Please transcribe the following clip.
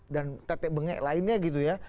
dan tete bengek lainnya gitu ya